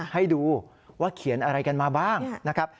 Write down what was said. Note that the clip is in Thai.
ให้ดูว่าเขียนอะไรกันมาบ้างนะครับ